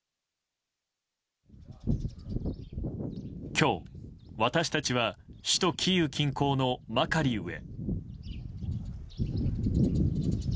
今日、私たちは首都キーウ近郊のマカリウへ。